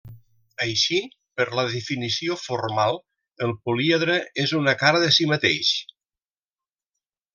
Així, per la definició formal, el políedre és una cara de si mateix.